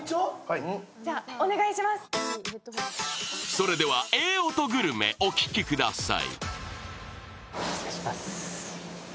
それでは、ええ音グルメ、お聞きください。